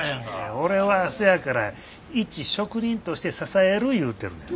俺はせやから一職人として支えるいうてるねん。